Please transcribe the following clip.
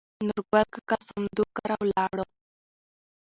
نورګل کاکا سمدو کره ولاړو.